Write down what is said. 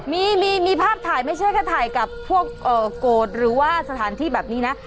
มีมีภาพถ่ายไม่ใช่แค่ถ่ายกับพวกโกรธหรือว่าสถานที่แบบนี้นะ